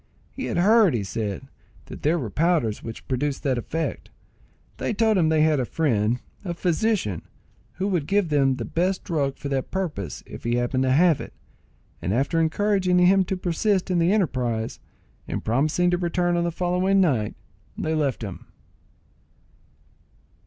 He had heard, he said, that there were powders which produced that effect. They told him they had a friend, a physician, who would give them the best drug for that purpose if he happened to have it; and after encouraging him to persist in the enterprise, and promising to return on the following night, they left him.